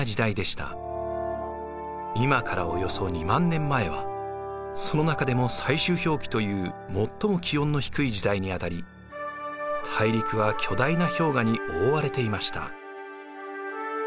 今からおよそ２万年前はその中でも最終氷期という最も気温の低い時代にあたり大陸は巨大な氷河に覆われていました。